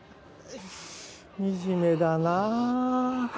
惨めだなあ。